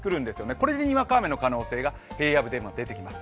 これでにわか雨の可能性が平野部でも出てきます。